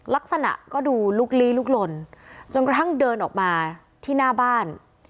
ลักษณะก็ดูลุกลี้ลุกลนจนกระทั่งเดินออกมาที่หน้าบ้าน